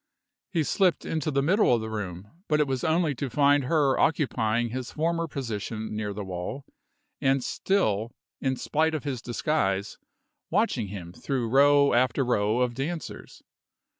He slipped into the middle of the room, but it was only to find her occupying his former position near the wall, and still, in spite of his disguise, watching him through row after row of dancers.